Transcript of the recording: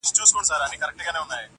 چي یې پاڼي کړو پرواز لره وزري,